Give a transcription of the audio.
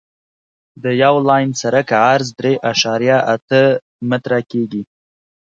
د یو لاین سرک عرض درې اعشاریه اته متره کیږي